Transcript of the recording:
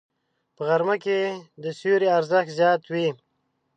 په غرمه کې د سیوري ارزښت زیات وي